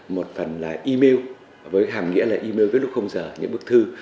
một phần là email với hàm nghĩa là email viết lúc không giờ những bức thư